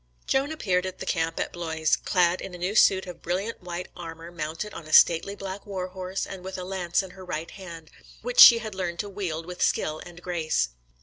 Joan appeared at the camp at Blois, clad in a new suit of brilliant white armour, mounted on a stately black war horse, and with a lance in her right hand, which she had learned to wield with skill and grace.